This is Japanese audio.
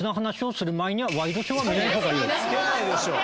つけないでしょ。